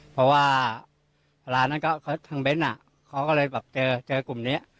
เพราะว่าร้านทั้งเบสเขาก็เลยเจอกลุ่มนี้